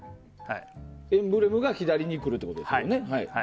エンブレムが左に来るってことですもんね。